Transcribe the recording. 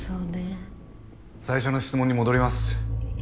最初の質問に戻ります。